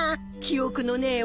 記憶のねえ